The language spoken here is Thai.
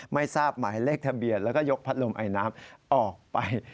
ไม่ทราบหมายเลขทะเบียนแล้วก็ยกพัดลมไอน้ำออกไป